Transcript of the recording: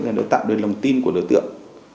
để tạo được lòng tin của đối tượng